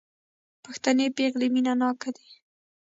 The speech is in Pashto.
پښتنې پېغلې مينه ناکه دي